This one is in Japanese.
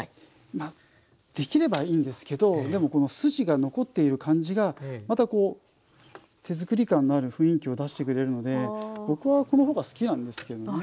まあできればいいんですけどでもこの筋が残っている感じがまたこう手作り感のある雰囲気を出してくれるので僕はこのほうが好きなんですけどね。